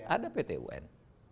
ada pt un